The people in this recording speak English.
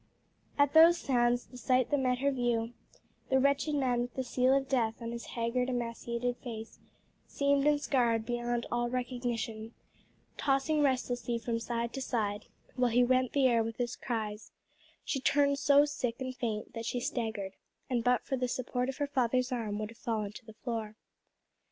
At those sounds, at the sight that met her view the wretched man with the seal of death on his haggard, emaciated face, seamed and scarred beyond all recognition, tossing restlessly from side to side, while he rent the air with his cries she turned so sick and faint that she staggered, and but for the support of her father's arm would have fallen to the floor.